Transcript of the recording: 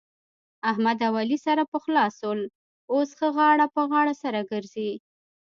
احمد اوعلي سره پخلا سول. اوس ښه غاړه په غاړه سره ګرځي.